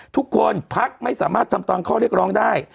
ทุกคนพักไม่สามารถทำตามข้อเรียกร้องได้